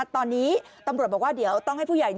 ตอนนี้ตำรวจบอกว่าเดี๋ยวต้องให้ผู้ใหญ่